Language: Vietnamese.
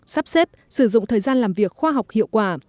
sắp xếp sử dụng thời gian làm việc khoa học hiệu quả